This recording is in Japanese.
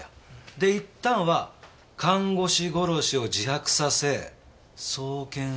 でいったんは看護師殺しを自白させ送検したが。